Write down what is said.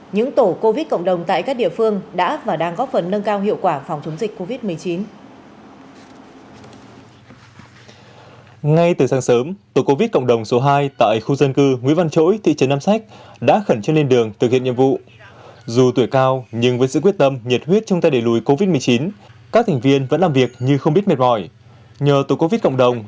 những tổ covid cộng đồng tại các địa phương đã và đang góp phần nâng cao hiệu quả phòng chống dịch covid một mươi chín